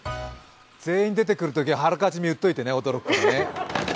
全員出てくるときはあらかじめ言っておいてね、驚くから。